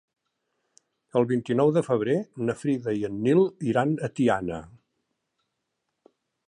El vint-i-nou de febrer na Frida i en Nil iran a Tiana.